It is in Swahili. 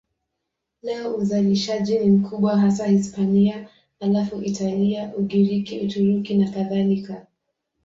Leo uzalishaji ni mkubwa hasa Hispania, halafu Italia, Ugiriki, Uturuki nakadhalika.